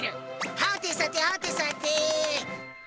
はてさてはてさて。